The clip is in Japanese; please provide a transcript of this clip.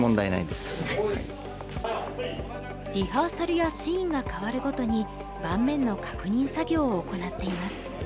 リハーサルやシーンが変わるごとに盤面の確認作業を行っています。